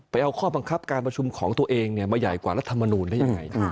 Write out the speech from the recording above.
เอาข้อบังคับการประชุมของตัวเองมาใหญ่กว่ารัฐมนูลได้ยังไง